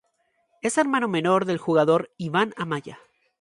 Es hermano menor del jugador Iván Amaya.